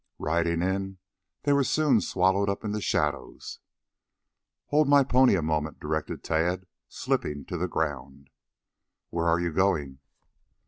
Riding in, they were soon swallowed up in the shadows. "Hold my pony a moment," directed Tad, slipping to the ground. "Where are you going?"